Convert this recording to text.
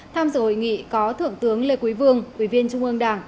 tham dự hội nghị có thượng tướng lê quý vương ủy viên trung ương đảng